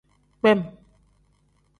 Kpem.